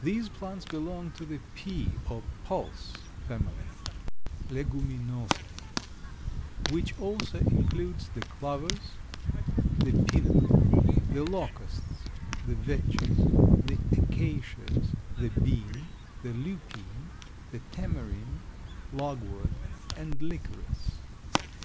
These plants belong to the pea or pulse family (Leguminosæ), which also includes the clovers, the peanut, the locusts, the vetches, the acacias, the bean, the lupine, the tamarind, logwood, and licorice.